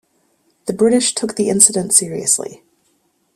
The British took the incident seriously.